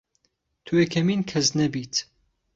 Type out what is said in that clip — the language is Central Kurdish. تۆ یەکەمین کەس نەبیت